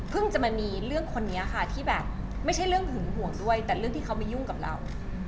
จะมามีเรื่องคนนี้ค่ะที่แบบไม่ใช่เรื่องหึงห่วงด้วยแต่เรื่องที่เขามายุ่งกับเรา